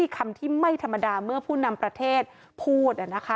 คำที่ไม่ธรรมดาเมื่อผู้นำประเทศพูด